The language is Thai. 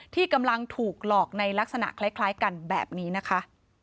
ที่กำลังถูกหลอกในลักษณะคล้ายกันแบบนี้นะคะ